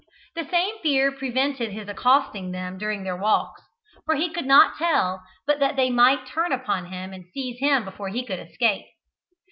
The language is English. The same fear prevented his accosting them during their walks, for he could not tell but that they might turn upon him and seize him before he could escape.